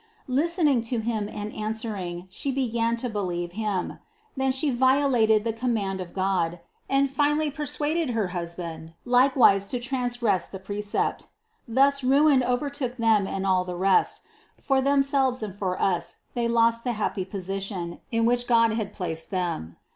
Listening to him and answering, she began to believe him; then she vio lated the command of God, and finally persuaded her husband likewise to transgress the precept. Thus ruin, overtook them and all the rest: for themselves and for us they lost the happy position, in which God had placed them.